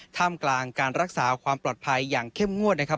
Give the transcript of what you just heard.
ท่ามกลางการรักษาความปลอดภัยอย่างเข้มงวดนะครับ